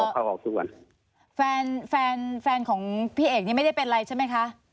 เข้าออกทุกวันแฟนแฟนแฟนของพี่เอกนี่ไม่ได้เป็นอะไรใช่ไหมคะ